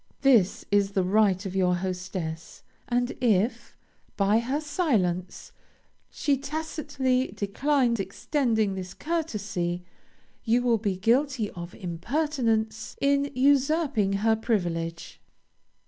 This is the right of your hostess, and if, by her silence, she tacitly declines extending this courtesy, you will be guilty of impertinence in usurping her privilege.